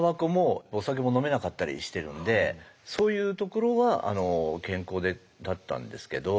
お酒も飲めなかったりしてるんでそういうところは健康だったんですけど。